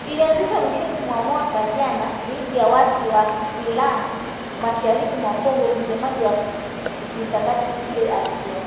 iliyoanzishwa mwishoni mwa mwaka jana dhidi ya waasi wa kiislam mashariki mwa Kongo msemaji wa mikakati hiyo alisema